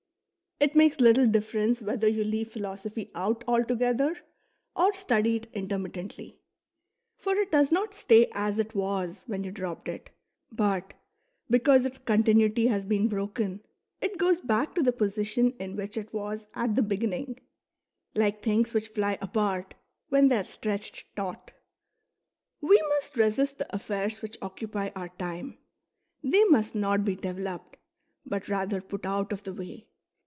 It makes little difference whether you leave philosophy out altogether or study it intermittently ; for it does not stay as it was when you dropped it, but, because its continuity has been broken, it goes back to the position in which it was at the beginning, like things which fly apart when they are stretched taut, ^^'e must resist the affairs which occupy our time ; they must not be developed, but rather put out of the way.